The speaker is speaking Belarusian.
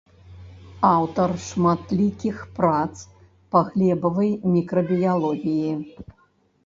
Аўтар шматлікіх прац па глебавай мікрабіялогіі.